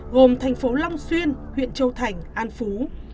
gồm thành phố long xuyên huyện châu thành an phú